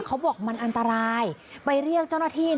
เขาบอกมันอันตรายไปเรียกเจ้าหน้าที่